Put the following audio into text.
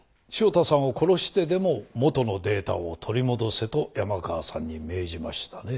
汐田さんを殺してでも元のデータを取り戻せと山川さんに命じましたね？